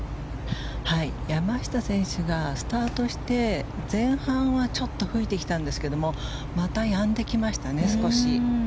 山下選手がスタートして前半はちょっと吹いてきたんですけどまたやんできましたね、少し。